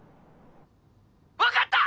分かった！